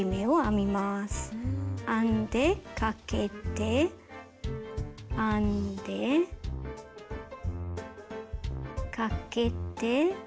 編んでかけて編んでかけて。